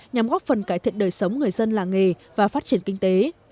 nhằm góp phần cải thiện đời sống người dân làng nghề và phát triển kinh tế